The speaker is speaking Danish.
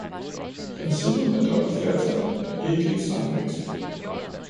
Princippet med dobbelt flertal er ikke et sagnvæsen.